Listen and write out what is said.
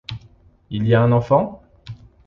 Il y a un enfant ?